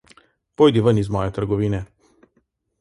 Pojdi ven iz moje trgovine.